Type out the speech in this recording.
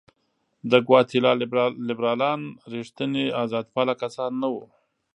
د ګواتیلا لیبرالان رښتیني آزادپاله کسان نه وو.